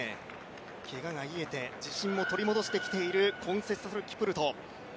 けがが癒えて自信を取り戻してきているコンセスラス・キプルト。